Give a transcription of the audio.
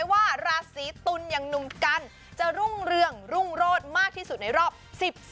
ว่าราศีตุลอย่างหนุ่มกันจะรุ่งเรืองรุ่งโรธมากที่สุดในรอบ๑๒